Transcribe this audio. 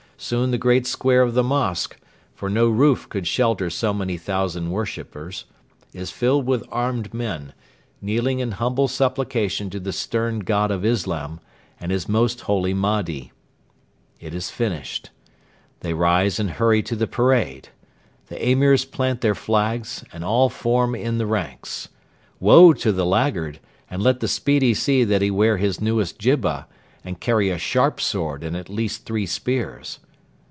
soon the great square of the mosque for no roof could shelter so many thousand worshippers is filled with armed men, kneeling in humble supplication to the stern God of Islam and his most holy Mahdi. It is finished. They rise and hurry to the parade. The Emirs plant their flags, and all form in the ranks. Woe to the laggard; and let the speedy see that he wear his newest jibba, and carry a sharp sword and at least three spears.